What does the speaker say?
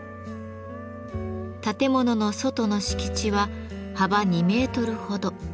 建物の外の敷地は幅２メートルほど。